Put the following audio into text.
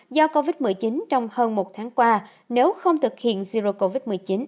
do covid một mươi chín trong hơn một tháng qua nếu không thực hiện zero covid một mươi chín